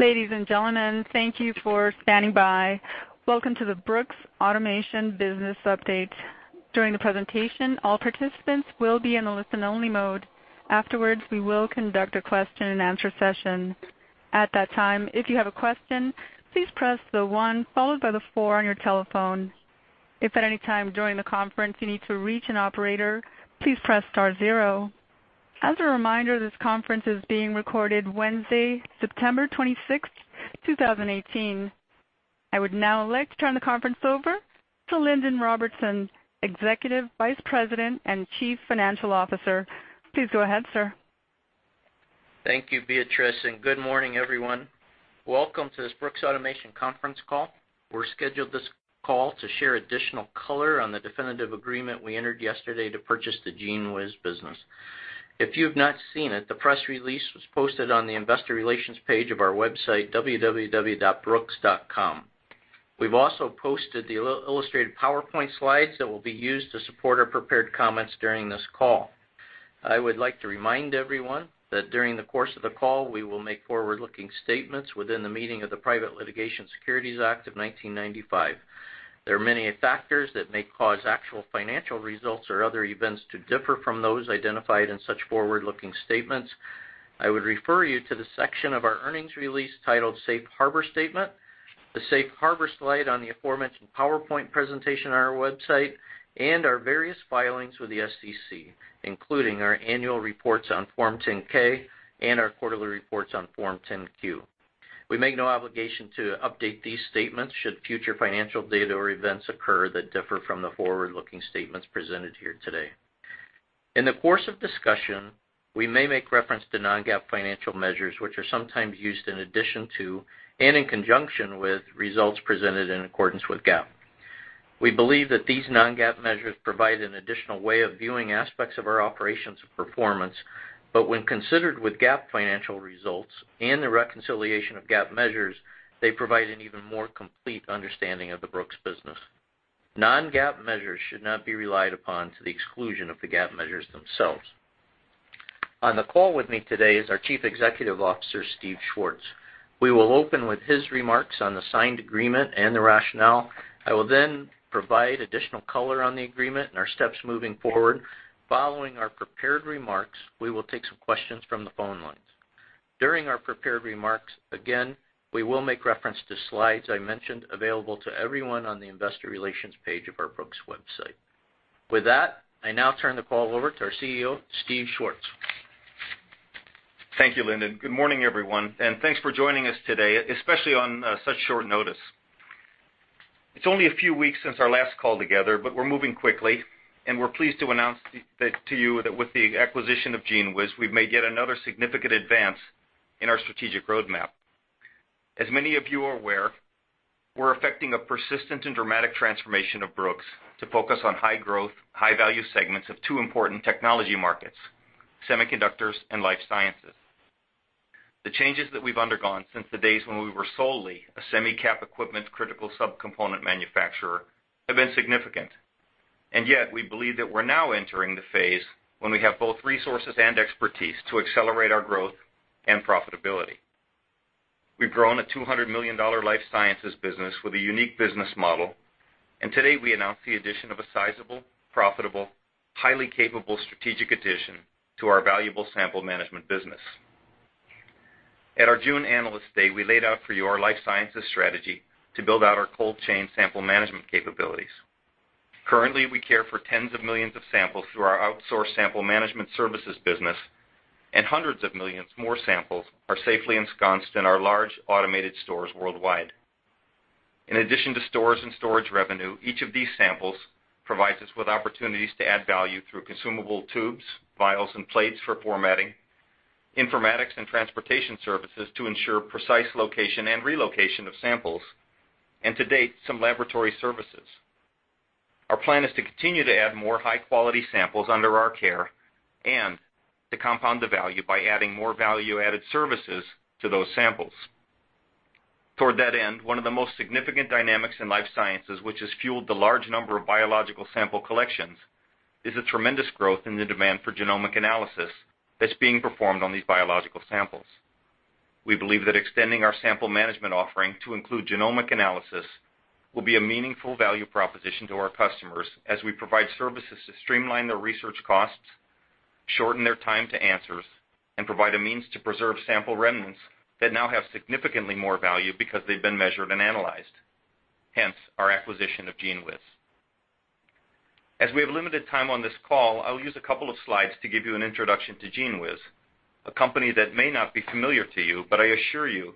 Ladies and gentlemen, thank you for standing by. Welcome to the Brooks Automation Business Update. During the presentation, all participants will be in a listen-only mode. Afterwards, we will conduct a question-and-answer session. At that time, if you have a question, please press the one followed by the four on your telephone. If at any time during the conference you need to reach an operator, please press star-zero. As a reminder, this conference is being recorded Wednesday, September 26th, 2018. I would now like to turn the conference over to Lindon Robertson, Executive Vice President and Chief Financial Officer. Please go ahead, sir. Thank you, Beatrice. Good morning, everyone. Welcome to this Brooks Automation conference call. We scheduled this call to share additional color on the definitive agreement we entered yesterday to purchase the GENEWIZ business. If you've not seen it, the press release was posted on the investor relations page of our website, www.brooks.com. We've also posted the illustrated PowerPoint slides that will be used to support our prepared comments during this call. I would like to remind everyone that during the course of the call, we will make forward-looking statements within the meaning of the Private Securities Litigation Reform Act of 1995. There are many factors that may cause actual financial results or other events to differ from those identified in such forward-looking statements. I would refer you to the section of our earnings release titled Safe Harbor Statement, the Safe Harbor slide on the aforementioned PowerPoint presentation on our website, and our various filings with the SEC, including our annual reports on Form 10-K and our quarterly reports on Form 10-Q. We make no obligation to update these statements should future financial data or events occur that differ from the forward-looking statements presented here today. In the course of discussion, we may make reference to non-GAAP financial measures, which are sometimes used in addition to and in conjunction with results presented in accordance with GAAP. We believe that these non-GAAP measures provide an additional way of viewing aspects of our operations performance, but when considered with GAAP financial results and the reconciliation of GAAP measures, they provide an even more complete understanding of the Brooks business. Non-GAAP measures should not be relied upon to the exclusion of the GAAP measures themselves. On the call with me today is our Chief Executive Officer, Steve Schwartz. We will open with his remarks on the signed agreement and the rationale. I will then provide additional color on the agreement and our steps moving forward. Following our prepared remarks, we will take some questions from the phone lines. During our prepared remarks, again, we will make reference to slides I mentioned available to everyone on the investor relations page of our Brooks website. With that, I now turn the call over to our CEO, Steve Schwartz. Thank you, Lindon. Good morning, everyone, thanks for joining us today, especially on such short notice. It's only a few weeks since our last call together, but we're moving quickly, and we're pleased to announce to you that with the acquisition of GENEWIZ, we've made yet another significant advance in our strategic roadmap. As many of you are aware, we're effecting a persistent and dramatic transformation of Brooks to focus on high-growth, high-value segments of two important technology markets, semiconductors and life sciences. The changes that we've undergone since the days when we were solely a semi cap equipment critical subcomponent manufacturer have been significant. Yet, we believe that we're now entering the phase when we have both resources and expertise to accelerate our growth and profitability. We've grown a $200 million life sciences business with a unique business model. Today we announce the addition of a sizable, profitable, highly capable strategic addition to our valuable sample management business. At our June Analyst Day, we laid out for you our life sciences strategy to build out our cold chain sample management capabilities. Currently, we care for tens of millions of samples through our outsourced sample management services business. Hundreds of millions more samples are safely ensconced in our large automated stores worldwide. In addition to stores and storage revenue, each of these samples provides us with opportunities to add value through consumable tubes, vials, and plates for formatting, informatics and transportation services to ensure precise location and relocation of samples. To date, some laboratory services. Our plan is to continue to add more high-quality samples under our care and to compound the value by adding more value-added services to those samples. Toward that end, one of the most significant dynamics in life sciences, which has fueled the large number of biological sample collections, is a tremendous growth in the demand for genomic analysis that's being performed on these biological samples. We believe that extending our sample management offering to include genomic analysis will be a meaningful value proposition to our customers as we provide services to streamline their research costs, shorten their time to answers, and provide a means to preserve sample remnants that now have significantly more value because they've been measured and analyzed, hence our acquisition of GENEWIZ. As we have limited time on this call, I will use a couple of slides to give you an introduction to GENEWIZ, a company that may not be familiar to you, but I assure you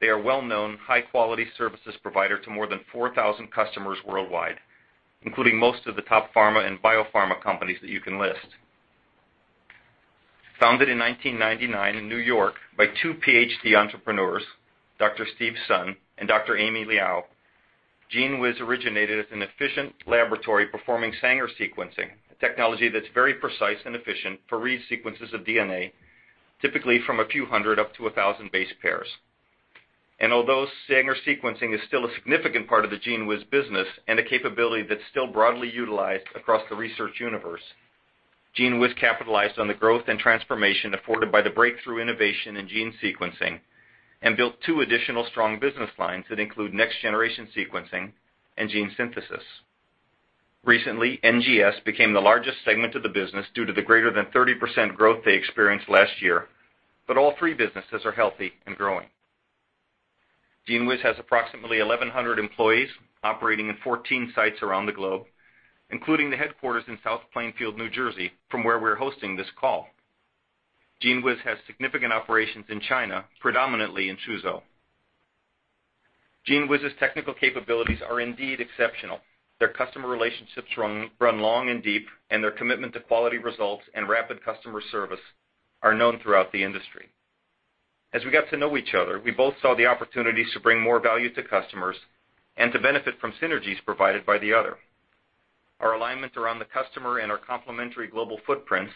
they are a well-known, high-quality services provider to more than 4,000 customers worldwide, including most of the top pharma and biopharma companies that you can list. Founded in 1999 in New York by two PhD entrepreneurs, Dr. Steve Sun and Dr. Amy Liao, GENEWIZ originated as an efficient laboratory performing Sanger sequencing, a technology that's very precise and efficient for read sequences of DNA, typically from a few hundred up to a thousand base pairs. Although Sanger sequencing is still a significant part of the GENEWIZ business and a capability that's still broadly utilized across the research universe, GENEWIZ capitalized on the growth and transformation afforded by the breakthrough innovation in gene sequencing and built two additional strong business lines that include next-generation sequencing and gene synthesis. Recently, NGS became the largest segment of the business due to the greater than 30% growth they experienced last year, but all three businesses are healthy and growing. GENEWIZ has approximately 1,100 employees operating in 14 sites around the globe, including the headquarters in South Plainfield, New Jersey, from where we're hosting this call. GENEWIZ has significant operations in China, predominantly in Suzhou. GENEWIZ's technical capabilities are indeed exceptional. Their customer relationships run long and deep, and their commitment to quality results and rapid customer service are known throughout the industry. As we got to know each other, we both saw the opportunities to bring more value to customers and to benefit from synergies provided by the other. Our alignment around the customer and our complementary global footprints,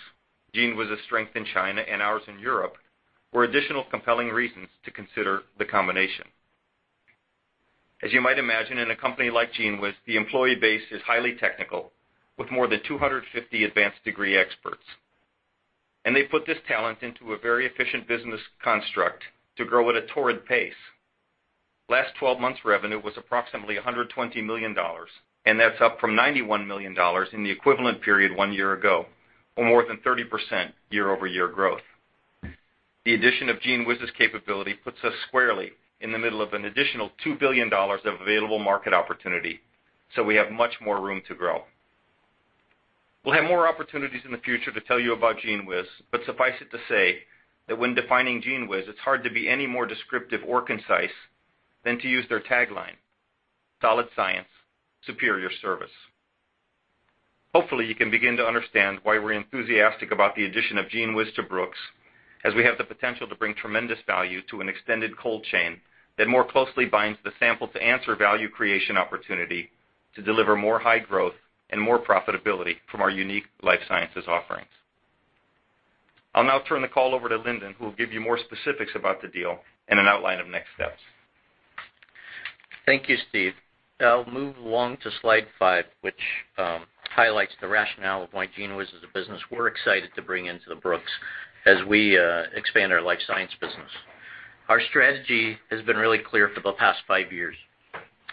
GENEWIZ's strength in China and ours in Europe, were additional compelling reasons to consider the combination. As you might imagine, in a company like GENEWIZ, the employee base is highly technical, with more than 250 advanced degree experts. And they put this talent into a very efficient business construct to grow at a torrid pace. Last 12 months revenue was approximately $120 million, and that's up from $91 million in the equivalent period one year ago, or more than 30% year-over-year growth. The addition of GENEWIZ's capability puts us squarely in the middle of an additional $2 billion of available market opportunity, so we have much more room to grow. We'll have more opportunities in the future to tell you about GENEWIZ, but suffice it to say that when defining GENEWIZ, it's hard to be any more descriptive or concise than to use their tagline, "Solid science, superior service." Hopefully, you can begin to understand why we're enthusiastic about the addition of GENEWIZ to Brooks, as we have the potential to bring tremendous value to an extended cold chain that more closely binds the sample-to-answer value creation opportunity to deliver more high growth and more profitability from our unique life sciences offerings. I'll now turn the call over to Lyndon, who will give you more specifics about the deal and an outline of next steps. Thank you, Steve. I'll move along to slide five, which highlights the rationale of why GENEWIZ is a business we're excited to bring into the Brooks as we expand our life sciences business. Our strategy has been really clear for the past five years.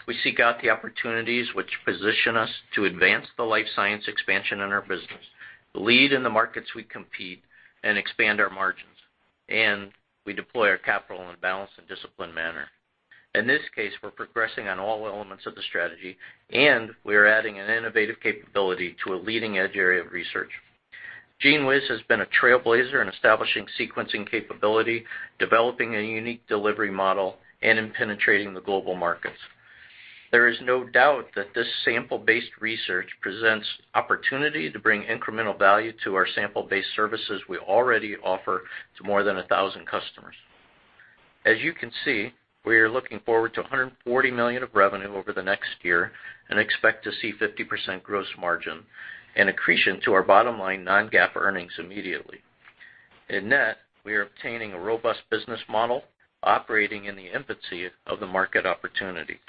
We seek out the opportunities which position us to advance the life sciences expansion in our business, lead in the markets we compete, and expand our margins, and we deploy our capital in a balanced and disciplined manner. In this case, we're progressing on all elements of the strategy, and we are adding an innovative capability to a leading-edge area of research. GENEWIZ has been a trailblazer in establishing sequencing capability, developing a unique delivery model, and in penetrating the global markets. There is no doubt that this sample-based research presents opportunity to bring incremental value to our sample-based services we already offer to more than 1,000 customers. As you can see, we are looking forward to $140 million of revenue over the next year and expect to see 50% gross margin, an accretion to our bottom line non-GAAP earnings immediately. In net, we are obtaining a robust business model operating in the infancy of the market opportunity.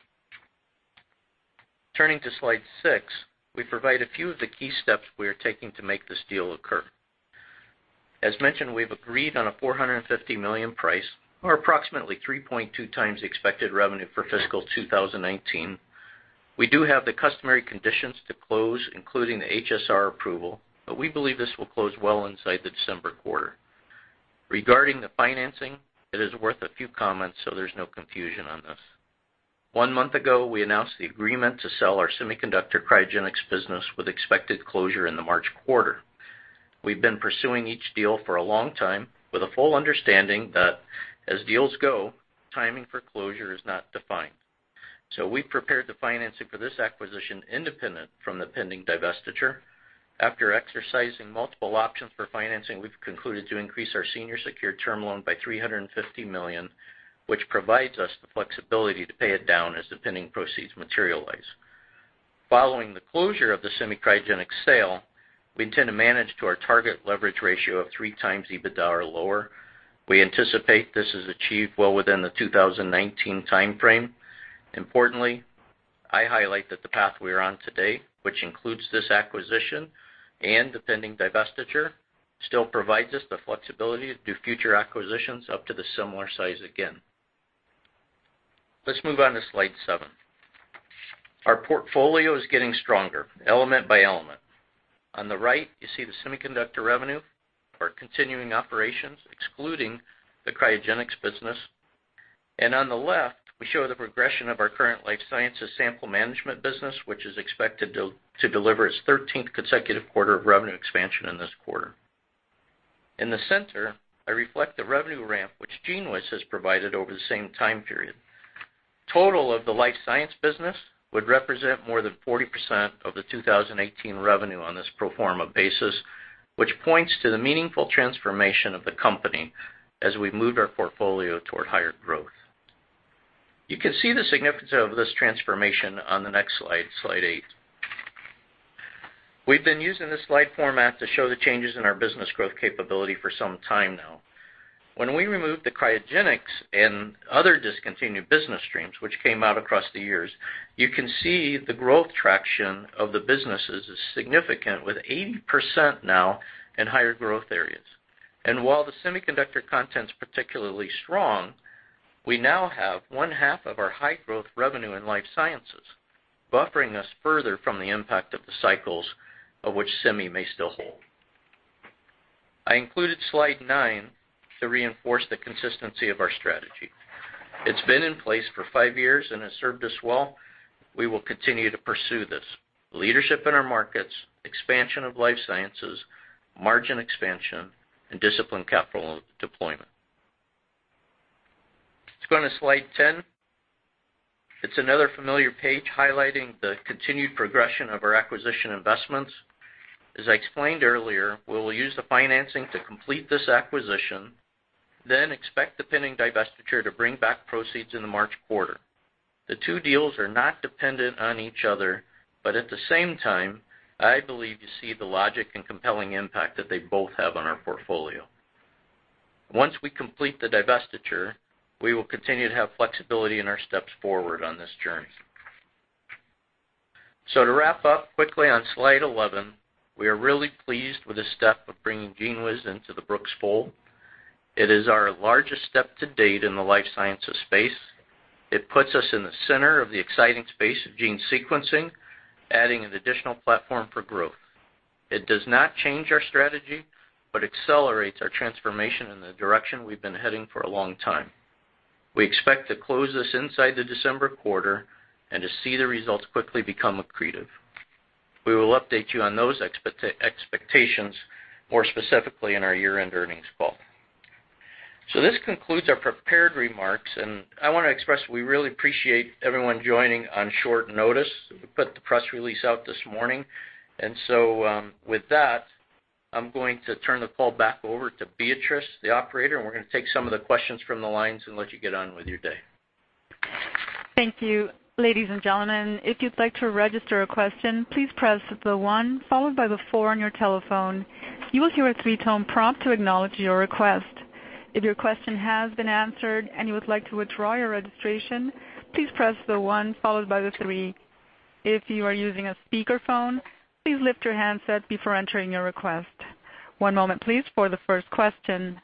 Turning to slide six, we provide a few of the key steps we are taking to make this deal occur. As mentioned, we've agreed on a $450 million price, or approximately 3.2 times the expected revenue for fiscal 2019. We do have the customary conditions to close, including the HSR approval, but we believe this will close well inside the December quarter. Regarding the financing, it is worth a few comments so there's no confusion on this. One month ago, we announced the agreement to sell our Semiconductor Cryogenics business with expected closure in the March quarter. We've been pursuing each deal for a long time with a full understanding that as deals go, timing for closure is not defined. We've prepared the financing for this acquisition independent from the pending divestiture. After exercising multiple options for financing, we've concluded to increase our senior secured term loan by $350 million, which provides us the flexibility to pay it down as the pending proceeds materialize. Following the closure of the semi-cryogenics sale, we intend to manage to our target leverage ratio of three times EBITDA or lower. We anticipate this is achieved well within the 2019 timeframe. Importantly, I highlight that the path we are on today, which includes this acquisition and the pending divestiture, still provides us the flexibility to do future acquisitions up to the similar size again. Let's move on to slide seven. Our portfolio is getting stronger, element by element. On the right, you see the semiconductor revenue for continuing operations, excluding the cryogenics business. On the left, we show the progression of our current life sciences sample management business, which is expected to deliver its 13th consecutive quarter of revenue expansion in this quarter. In the center, I reflect the revenue ramp which GENEWIZ has provided over the same time period. Total of the life sciences business would represent more than 40% of the 2018 revenue on this pro forma basis, which points to the meaningful transformation of the company as we've moved our portfolio toward higher growth. You can see the significance of this transformation on the next slide eight. We've been using this slide format to show the changes in our business growth capability for some time now. When we removed the cryogenics and other discontinued business streams, which came out across the years, you can see the growth traction of the businesses is significant with 80% now in higher growth areas. While the semiconductor content's particularly strong, we now have one half of our high growth revenue in life sciences, buffering us further from the impact of the cycles of which semi may still hold. I included slide nine to reinforce the consistency of our strategy. It's been in place for five years and has served us well. We will continue to pursue this. Leadership in our markets, expansion of life sciences, margin expansion, and disciplined capital deployment. Let's go on to slide 10. It's another familiar page highlighting the continued progression of our acquisition investments. As I explained earlier, we will use the financing to complete this acquisition, then expect the pending divestiture to bring back proceeds in the March quarter. The two deals are not dependent on each other, but at the same time, I believe you see the logic and compelling impact that they both have on our portfolio. Once we complete the divestiture, we will continue to have flexibility in our steps forward on this journey. To wrap up quickly on slide 11, we are really pleased with the step of bringing GENEWIZ into the Brooks fold. It is our largest step to date in the life sciences space. It puts us in the center of the exciting space of gene sequencing, adding an additional platform for growth. It does not change our strategy but accelerates our transformation in the direction we've been heading for a long time. We expect to close this inside the December quarter and to see the results quickly become accretive. We will update you on those expectations more specifically in our year-end earnings call. This concludes our prepared remarks, and I want to express we really appreciate everyone joining on short notice. We put the press release out this morning. With that, I'm going to turn the call back over to Beatrice, the operator, and we're going to take some of the questions from the lines and let you get on with your day. Thank you. Ladies and gentlemen, if you'd like to register a question, please press the one followed by the four on your telephone. You will hear a three-tone prompt to acknowledge your request. If your question has been answered and you would like to withdraw your registration, please press the one followed by the three. If you are using a speakerphone, please lift your handset before entering your request. One moment please for the first question.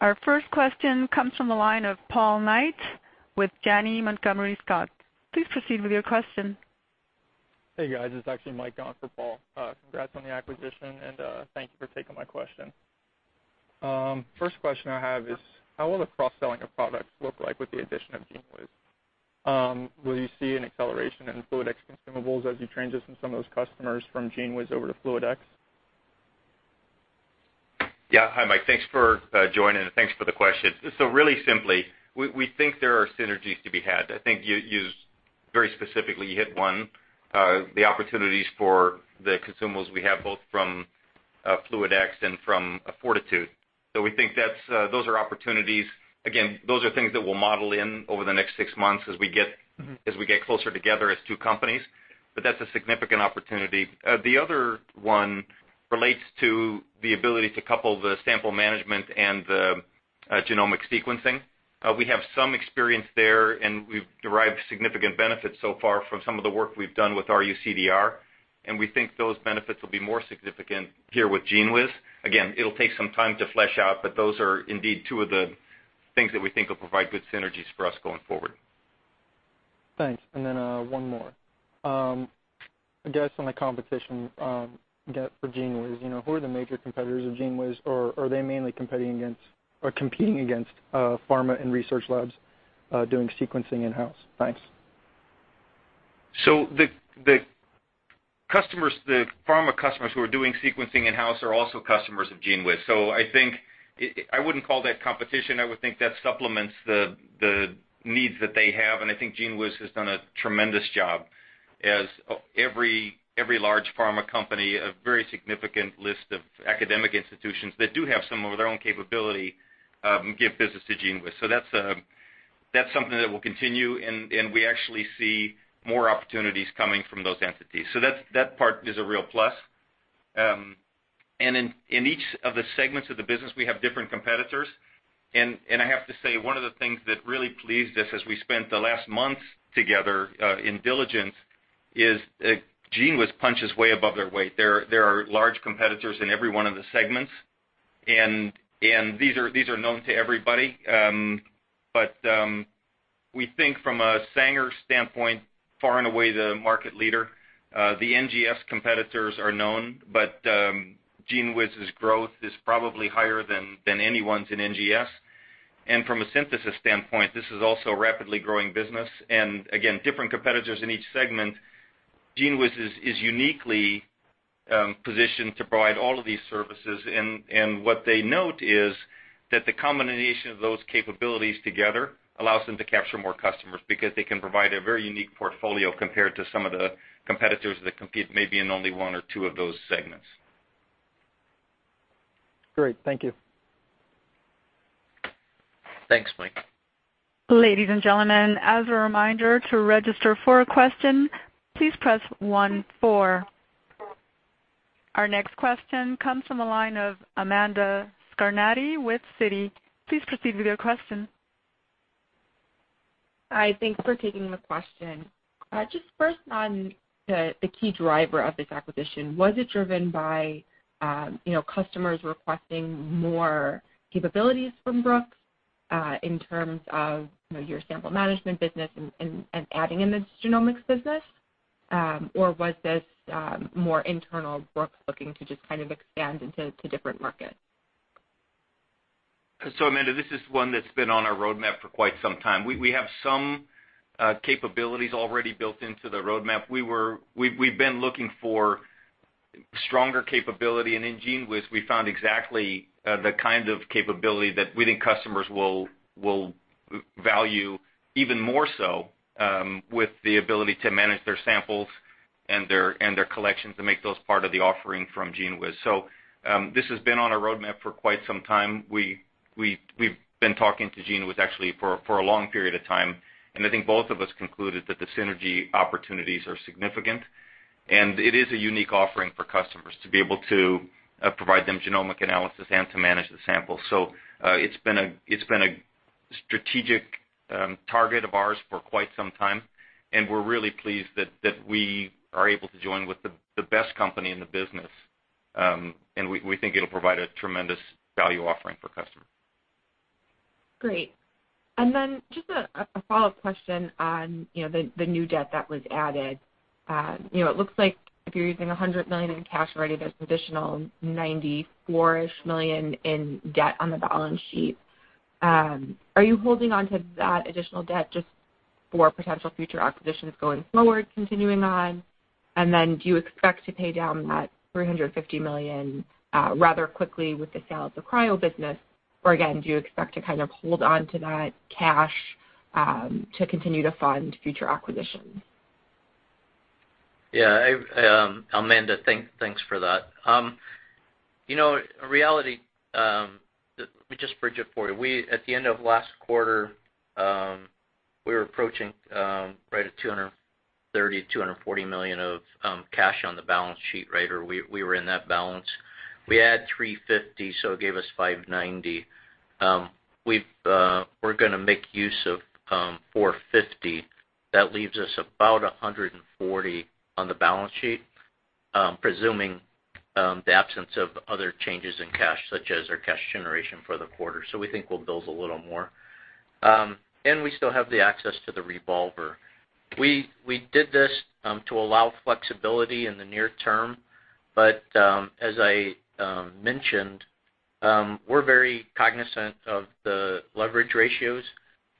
Our first question comes from the line of Paul Knight with Janney Montgomery Scott. Please proceed with your question. Hey, guys. It's actually Mike on for Paul. Congrats on the acquisition, and thank you for taking my question. First question I have is, how will the cross-selling of products look like with the addition of GENEWIZ? Will you see an acceleration in FluidX consumables as you transition some of those customers from GENEWIZ over to FluidX? Hi, Mike. Thanks for joining, and thanks for the question. Really simply, we think there are synergies to be had. I think very specifically you hit one, the opportunities for the consumables we have both from FluidX and from 4titude. We think those are opportunities. Those are things that we'll model in over the next 6 months as we get closer together as two companies, that's a significant opportunity. The other one relates to the ability to couple the sample management and the genomic sequencing. We have some experience there, and we've derived significant benefits so far from some of the work we've done with RUCDR, and we think those benefits will be more significant here with GENEWIZ. It'll take some time to flesh out, those are indeed two of the things that we think will provide good synergies for us going forward. Thanks. Then one more. I guess on the competition for GENEWIZ, who are the major competitors of GENEWIZ, or are they mainly competing against pharma and research labs doing sequencing in-house? Thanks. The pharma customers who are doing sequencing in-house are also customers of GENEWIZ. I think I wouldn't call that competition. I would think that supplements the needs that they have, and I think GENEWIZ has done a tremendous job as every large pharma company, a very significant list of academic institutions that do have some of their own capability give business to GENEWIZ. That's something that will continue, and we actually see more opportunities coming from those entities. That part is a real plus. In each of the segments of the business, we have different competitors. I have to say, one of the things that really pleased us as we spent the last month together in diligence is GENEWIZ punches way above their weight. There are large competitors in every one of the segments, and these are known to everybody. We think from a Sanger standpoint, far and away the market leader. The NGS competitors are known, GENEWIZ's growth is probably higher than anyone's in NGS. From a synthesis standpoint, this is also a rapidly growing business and again, different competitors in each segment. GENEWIZ is uniquely positioned to provide all of these services, and what they note is that the combination of those capabilities together allows them to capture more customers because they can provide a very unique portfolio compared to some of the competitors that compete maybe in only one or two of those segments. Great. Thank you. Thanks, Mike. Ladies and gentlemen, as a reminder to register for a question, please press one, four. Our next question comes from the line of Amanda Scarnati with Citi. Please proceed with your question. Hi. Thanks for taking the question. Just first on the key driver of this acquisition, was it driven by customers requesting more capabilities from Brooks, in terms of your sample management business and adding in this genomics business? Or was this more internal, Brooks looking to just kind of expand into different markets? Amanda, this is one that's been on our roadmap for quite some time. We have some capabilities already built into the roadmap. We've been looking for stronger capability, and in GENEWIZ, we found exactly the kind of capability that we think customers will value even more so with the ability to manage their samples and their collections and make those part of the offering from GENEWIZ. This has been on our roadmap for quite some time. We've been talking to GENEWIZ actually for a long period of time, and I think both of us concluded that the synergy opportunities are significant, and it is a unique offering for customers to be able to provide them genomic analysis and to manage the sample. It's been a strategic target of ours for quite some time, and we're really pleased that we are able to join with the best company in the business. We think it'll provide a tremendous value offering for customers. Great. Then just a follow-up question on the new debt that was added. It looks like if you're using $100 million in cash already, there's additional $94-ish million in debt on the balance sheet. Are you holding onto that additional debt just for potential future acquisitions going forward, continuing on? Then do you expect to pay down that $350 million rather quickly with the sale of the Cryo business? Or again, do you expect to kind of hold onto that cash to continue to fund future acquisitions? Yeah. Amanda, thanks for that. Let me just bridge it for you. At the end of last quarter, we were approaching right at $230 million, $240 million of cash on the balance sheet, right? We were in that balance. We add $350. It gave us $590. We're going to make use of $450. That leaves us about $140 on the balance sheet, presuming the absence of other changes in cash, such as our cash generation for the quarter. We think we'll build a little more. We still have the access to the revolver. As I mentioned, we're very cognizant of the leverage ratios.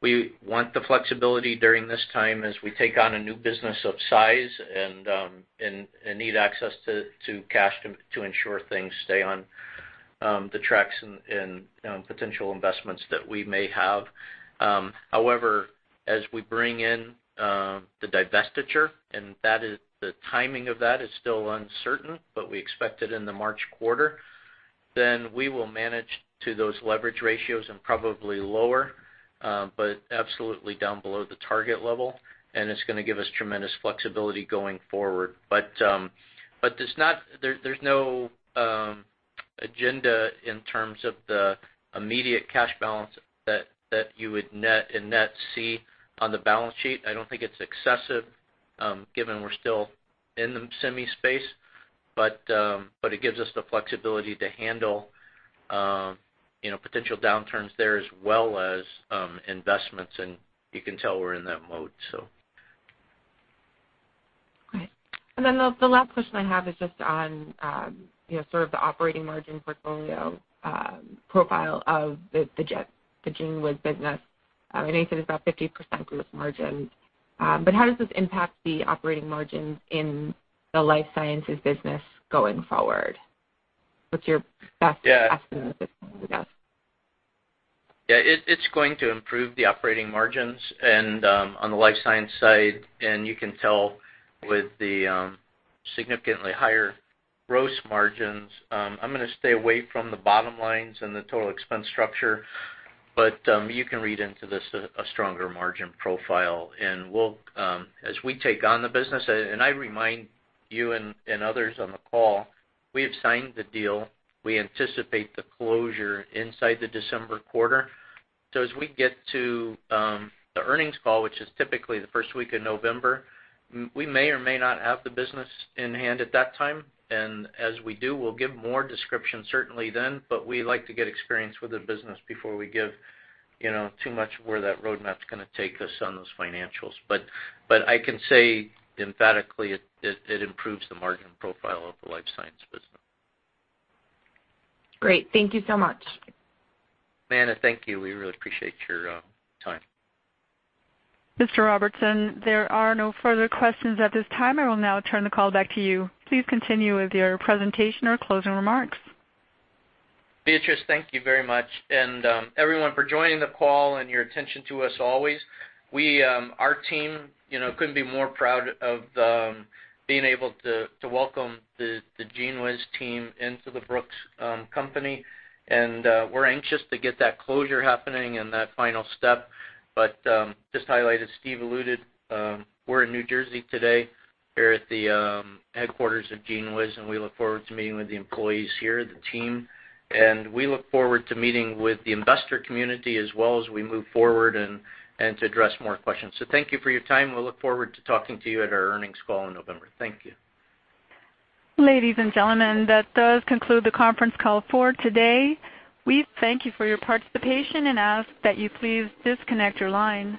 We want the flexibility during this time as we take on a new business of size and need access to cash to ensure things stay on the tracks and potential investments that we may have. As we bring in the divestiture, and the timing of that is still uncertain, we expect it in the March quarter, then we will manage to those leverage ratios and probably lower, but absolutely down below the target level, and it's going to give us tremendous flexibility going forward. There's no agenda in terms of the immediate cash balance that you would net and net see on the balance sheet. I don't think it's excessive, given we're still in the semi space. It gives us the flexibility to handle potential downturns there as well as investments, and you can tell we're in that mode, so Great. Then the last question I have is just on sort of the operating margin portfolio profile of the GENEWIZ business. I think you said it's about 50% gross margin. How does this impact the operating margins in the life sciences business going forward? What's your best estimate at this point, I guess? Yeah. It's going to improve the operating margins on the life sciences side, you can tell with the significantly higher gross margins. I'm going to stay away from the bottom lines and the total expense structure, you can read into this a stronger margin profile. As we take on the business, I remind you and others on the call, we have signed the deal. We anticipate the closure inside the December quarter. As we get to the earnings call, which is typically the first week of November, we may or may not have the business in hand at that time. As we do, we'll give more description certainly then, we like to get experience with the business before we give too much where that roadmap's going to take us on those financials. I can say emphatically it improves the margin profile of the life sciences business. Great. Thank you so much. Amanda, thank you. We really appreciate your time. Mr. Robertson, there are no further questions at this time. I will now turn the call back to you. Please continue with your presentation or closing remarks. Beatrice, thank you very much. Everyone for joining the call and your attention to us always. Our team couldn't be more proud of being able to welcome the GENEWIZ team into the Brooks company. We're anxious to get that closure happening and that final step. Just to highlight, as Steve alluded, we're in New Jersey today. We're at the headquarters of GENEWIZ, and we look forward to meeting with the employees here, the team. We look forward to meeting with the investor community as well as we move forward and to address more questions. Thank you for your time. We'll look forward to talking to you at our earnings call in November. Thank you. Ladies and gentlemen, that does conclude the conference call for today. We thank you for your participation and ask that you please disconnect your line.